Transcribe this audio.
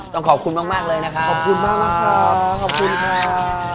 ต้องขอบคุณมากเลยนะครับขอบคุณมากครับขอบคุณครับ